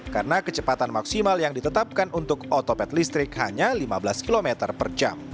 karena kecepatan maksimal yang ditetapkan untuk otopet listrik hanya lima belas km per jam